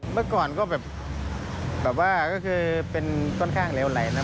เมื่อก่อนก็แบบว่าก็คือเป็นค่อนข้างเลวไหลนะ